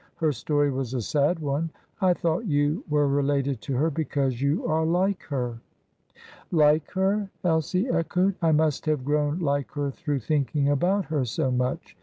Her story was a sad one. I thought you were related to her because you are like her." "Like her?" Elsie echoed. "I must have grown like her through thinking about her so much!